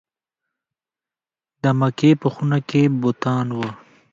د مکې په خونه کې بوتان وو.